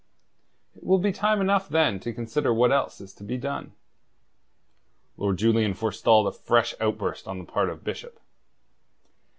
"It will be time enough then to consider what else is to be done." Lord Julian forestalled a fresh outburst on the part of Bishop.